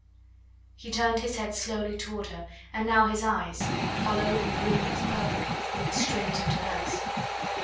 He turned his head slowly toward her, and now his eyes hollowed and rimmed with purple looked straight into hers.